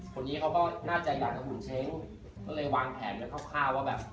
คนนี้เขาก็น่าจะอยากจะหุ่นเช้งก็เลยวางแผนกันคร่าวว่าแบบ